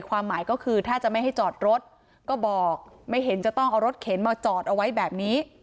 ความหมายก็คือถ้าจะไม่ให้จอดรถก็บอกไม่เห็นจะต้องเอารถเข็นมาจอดเอาไว้แบบนี้